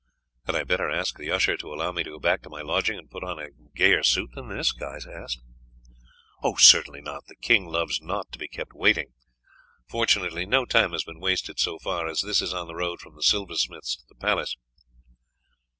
"Had I better ask the usher to allow me to go back to my lodging to put on a gayer suit than this?" Guy asked. "Certainly not; the king loves not to be kept waiting. Fortunately no time has been wasted so far, as this is on the road from the silversmith's to the palace."